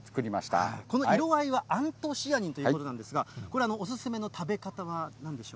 この色合いは、アントシアニンということなんですが、これ、お勧めの食べ方はなんでしょう？